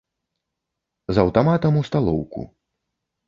З аўтаматам у сталоўку.